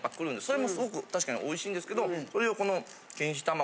それもすごく確かにおいしいんですけど。